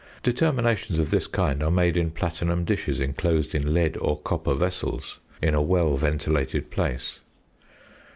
Determinations of this kind are made in platinum dishes enclosed in lead or copper vessels in a well ventilated place.